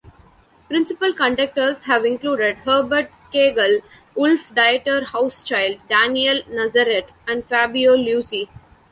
Principal conductors have included Herbert Kegel, Wolf-Dieter Hauschild, Daniel Nazareth and Fabio Luisi.